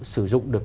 sử dụng được